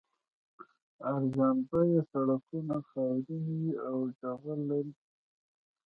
ارزان بیه سړکونه خاورین وي او جغل لري